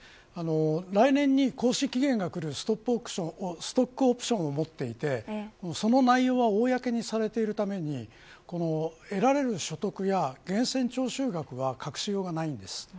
来年に行使期限がくるストックオプションを持っていてその内容が公にされているために得られる所得や源泉徴収額は隠しようがないんです。